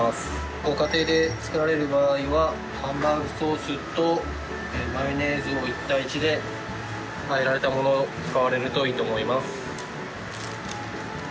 ご家庭で作られる場合はハンバーグソースとマヨネーズを１対１で和えられたものを使われるといいと思います。